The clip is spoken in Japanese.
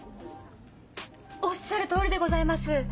おっしゃる通りでございます。